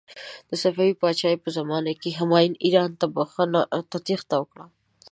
د صفوي پادشاهي په زمانې کې همایون ایران ته تیښته وکړه.